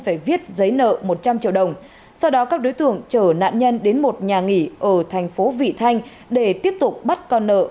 phải viết giấy nợ một trăm linh triệu đồng sau đó các đối tượng chở nạn nhân đến một nhà nghỉ ở thành phố vị thanh để tiếp tục bắt con nợ